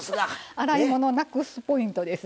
洗い物をなくすポイントです。